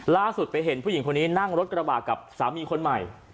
ล่าสุดไปเห็นผู้หญิงคนนี้นั่งรถกระบาดกับสามีคนใหม่